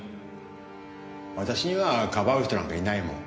私にはかばう人なんかいないもん。